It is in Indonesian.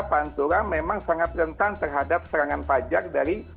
pantura memang sangat rentan terhadap serangan pajak dari